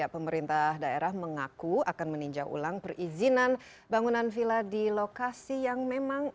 pemerintah daerah mengaku akan meninjau ulang perizinan bangunan villa di lokasi yang memang